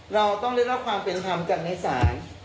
เราต้องได้รับความเป็นคำจากในสาร